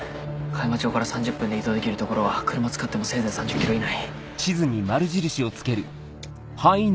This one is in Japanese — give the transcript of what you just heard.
香山町から３０分で移動できる所は車使ってもせいぜい３０ｋｍ以内。